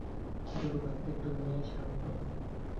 দুর্ভাগ্যের দুনিয়ায় স্বাগতম।